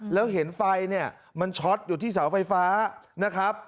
แล้วเห็นไฟมันช็อตอยู่ที่สาวไฟฟ้า